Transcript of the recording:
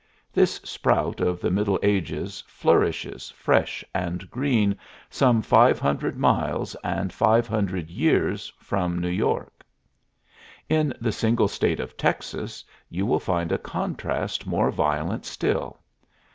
This sprout of the Middle Ages flourishes fresh and green some five hundred miles and five hundred years from New York. In the single State of Texas you will find a contrast more violent still.